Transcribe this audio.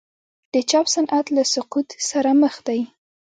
د چاپ صنعت له سقوط سره مخ دی؟